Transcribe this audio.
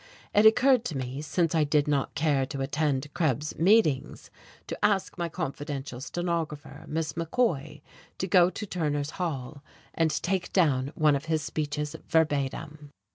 It occurred to me, since I did not care to attend Krebs's meetings, to ask my confidential stenographer, Miss McCoy, to go to Turner's Hall and take down one of his speeches verbatim.